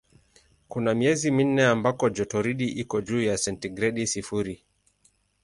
Kuna miezi minne ambako jotoridi iko juu ya sentigredi sifuri.